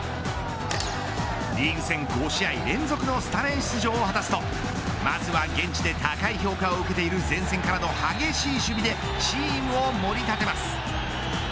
リーグ戦５試合連続のスタメン出場を果たすとまずは現地で高い評価を受けている前線からの激しい守備でチームを盛り立てます。